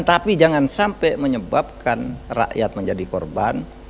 tapi jangan sampai menyebabkan rakyat menjadi korban